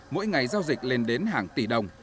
mỗi ngày giao dịch lên đến hàng tỷ đồng